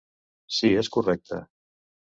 Sí, és correcte.